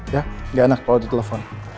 ya gak anak kalau ditelepon